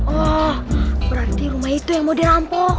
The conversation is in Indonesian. oh berarti rumah itu yang mau dirampok